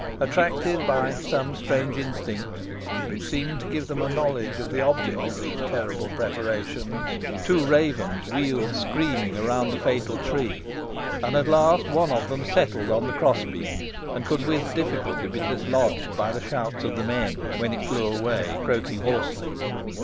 Attracted by some strange instinct, which seemed to give them a knowledge of the object of these terrible preparations, two ravens wheeled screaming round the fatal tree, and at length one of them settled on the cross beam, and could with difficulty be dislodged by the shouts of the men, when it flew away, croaking hoarsely.